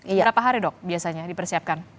berapa hari dok biasanya dipersiapkan